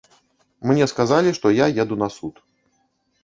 Мне сказалі, што я еду на суд.